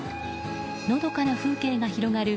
のどかな風景が広がる